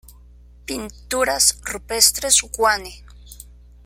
Pinturas rupestres Guane